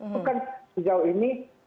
bukan sejauh ini